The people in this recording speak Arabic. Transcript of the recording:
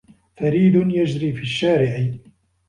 فَرِيدٌ يَجْرِي فِي الشَّارِعِ.